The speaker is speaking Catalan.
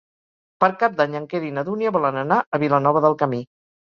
Per Cap d'Any en Quer i na Dúnia volen anar a Vilanova del Camí.